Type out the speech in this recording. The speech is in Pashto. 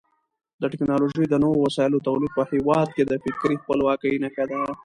د ټکنالوژۍ د نویو وسایلو تولید په هېواد کې د فکري خپلواکۍ نښه ده.